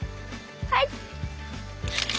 はい！